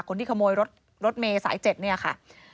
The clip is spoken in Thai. คนที่ขโมยรถเมฆลืมสายเจ็ดเนี่ยค่ะ